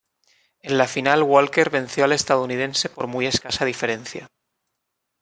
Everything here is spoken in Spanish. En la final Walker venció al estadounidense por muy escasa diferencia.